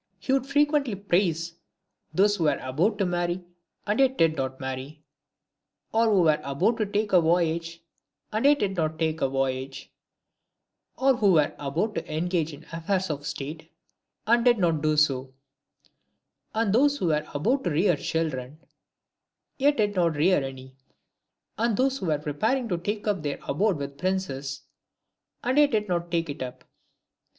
He would frequently praise those who were about to marry, and yet did not marry ; or who were about to take a voyage, and yet did not take a voyage ; or who were about to engage in affairs of state, and did not do so ; and those who were about to rear children, yet did not rear any ; and those who were preparing to take up their abode with princes, and yet did not take it up.